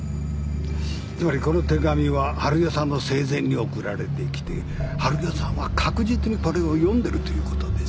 つまりこの手紙は治代さんの生前に送られてきて治代さんは確実にこれを読んでるということです。